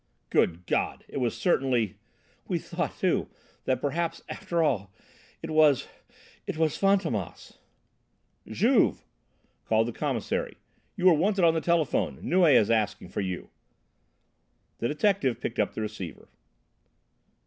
"Good God! It was certainly " "We thought, too that perhaps after all it was it was Fantômas!" "Juve!" called the Commissary. "You are wanted on the telephone. Neuilly is asking for you." The detective picked up the receiver.